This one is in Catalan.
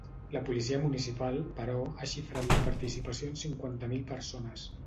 La policia municipal, però, ha xifrat la participació en cinquanta mil persones.